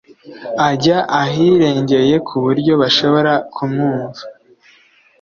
ajya ahirengeye ku buryo bashobora kumwumva